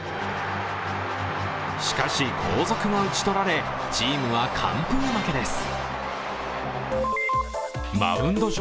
しかし、後続が打ち取られ、チームは完封負けです。